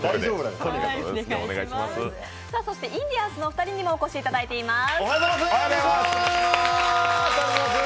そしてインディアンスのお二人にもお越しいただいています。